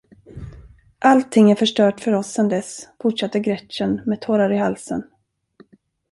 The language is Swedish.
Allting är förstört för oss sen dess, fortsatte Gretchen med tårar i halsen.